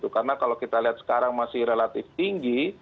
karena kalau kita lihat sekarang masih relatif tinggi